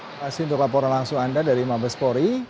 terima kasih untuk laporan langsung anda dari mabes polri